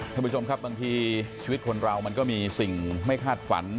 ท่านผู้ชมครับบางทีชีวิตคนเรามันก็มีสิ่งไม่คาดฝัน